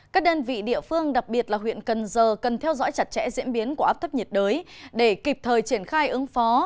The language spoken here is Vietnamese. các đơn vị địa phương đặc biệt là huyện cần giờ cần theo dõi chặt chẽ diễn biến của áp thấp nhiệt đới để kịp thời triển khai ứng phó